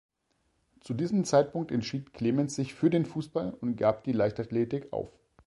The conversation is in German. Zu diesem Zeitpunkt entschied Clemens sich für den Fußball und gab die Leichtathletik auf.